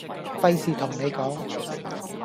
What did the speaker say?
費事同你講